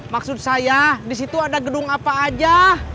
maksud saya disitu ada gedung apa aja